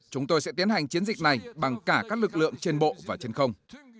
chúng tôi sẽ tiến hành chiến dịch này bằng cả các lực lượng trên bộ và trên không